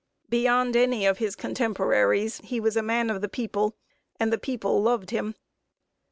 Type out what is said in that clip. Beyond any of his cotemporaries, he was a man of the people, and the people loved him.